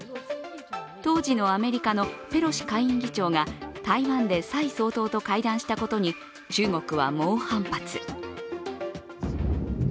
当時のアメリカのペロシ下院議長が台湾で蔡総統と会談したことに中国は猛反発。